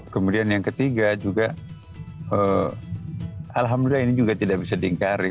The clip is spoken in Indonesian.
kemudian yang ketiga juga alhamdulillah ini juga tidak bisa diingkari